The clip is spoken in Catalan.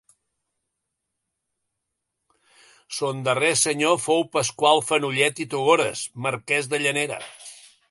Son darrer senyor fou Pasqual Fenollet i Togores, marquès de Llanera.